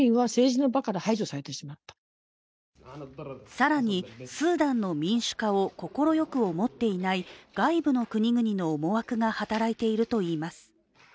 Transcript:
更にスーダンの民主化を快く思っていない外部の国々の思惑が働いているといいます。